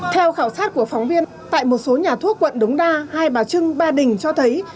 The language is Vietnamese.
theo khảo sát của phóng viên tại một số nhà thuốc quận đống đa hai bà trưng ba đình cho thấy